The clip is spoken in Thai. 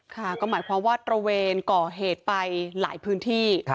ค่ะก็หมายความว่าตระเวนก่อเหตุไปหลายพื้นที่